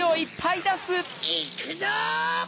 いくぞ！